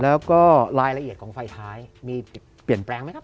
แล้วก็รายละเอียดของไฟท้ายมีเปลี่ยนแปลงไหมครับ